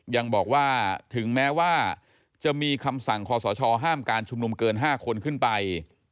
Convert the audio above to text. ยังบอกว่าถึงแม้ว่าจะมีคำสั่งคอสชห้ามการชุมนุมเกิน๕คนขึ้นไป